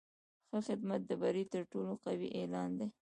ښه خدمت د بری تر ټولو قوي اعلان دی.